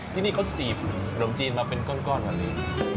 ที่นี่เขาจีบขนมจีนมาเป็นก้อนแบบนี้